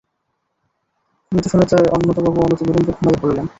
শুনিতে শুনিতে অন্নদাবাবু অনতিবিলম্বে ঘুমাইয়া পড়িলেন।